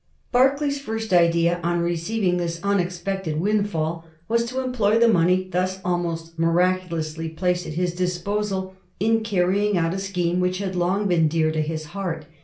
Berkeley's first idea on receiving this unexpected windfall was to employ the money thus almost miraculously placed at his disposal in carrying out a scheme which had long been dear to his heart.